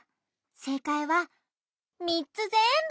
せいかいはみっつぜんぶ！